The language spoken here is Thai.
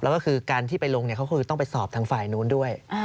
แล้วก็คือการที่ไปลงเขาคือต้องไปสอบทางฝ่ายนู้นด้วย